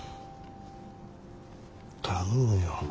頼むよ。